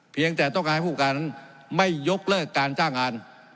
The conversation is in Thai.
เพียงแต่ต้องการให้ผู้การนั้นไม่ยกเลิกการจ้างงาน